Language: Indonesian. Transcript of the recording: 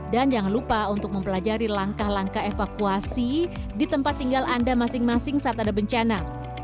dan jangan lupa untuk mempelajari langkah langkah evakuasi di tempat tinggal anda masing masing saat ada bencana